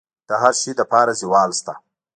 د هر شي لپاره زوال شته،